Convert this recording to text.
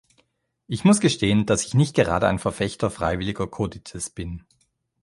Ich muss gestehen, dass ich nicht gerade ein Verfechter freiwilliger Kodices bin.